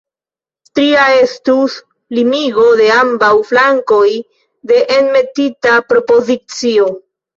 Tria estus limigo de ambaŭ flankoj de enmetita propozicio.